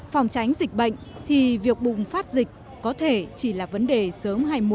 phòng tránh dịch bệnh thì việc bụng phát dịch có thể chỉ là vấn đề sớm hay muộn